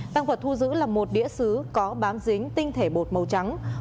tăng vật thu giữ là một đĩa xứ có bám dính tinh thể bột màu trắng